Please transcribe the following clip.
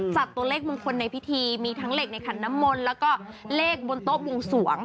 จัดตัวเลขมงคลในพิธีมีทั้งเหล็กในขันน้ำมนต์แล้วก็เลขบนโต๊ะบวงสวง